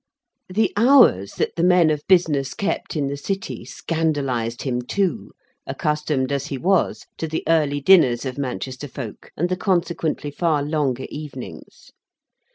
The hours that the men of business kept in the city scandalised him too; accustomed as he was to the early dinners of Manchester folk, and the consequently far longer evenings.